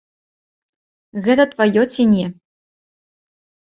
Гэта тваё ці не.